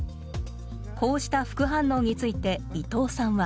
こうした副反応について伊藤さんは。